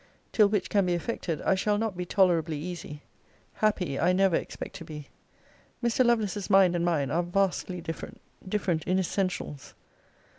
till which can be effected, I shall not be tolerably easy. Happy I never expect to be. Mr. Lovelace's mind and mine are vastly different; different in essentials.